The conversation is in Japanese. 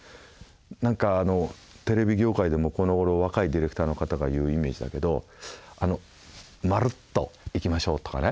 何かテレビ業界でもこのごろ若いディレクターの方が言うイメージだけど「まるっといきましょう」とかね。